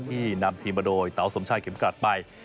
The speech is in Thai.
ที่นำทีมาโดยเต๋าสมชาติเข็มกัดไป